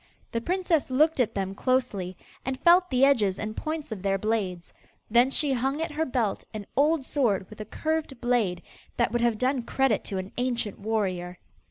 The princess looked at them closely, and felt the edges and points of their blades, then she hung at her belt an old sword with a curved blade, that would have done credit to an ancient warrior.